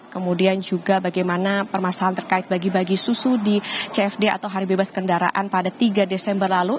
kemudian juga bagaimana permasalahan terkait bagi bagi susu di cfd atau hari bebas kendaraan pada tiga desember lalu